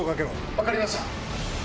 分かりました。